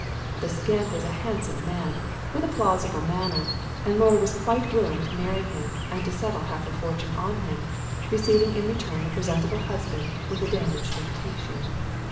The scamp was a handsome man, with a plausible manner, and Laura was quite willing to marry him, and to settle half her fortune on him, receiving in return a presentable husband with a damaged reputation.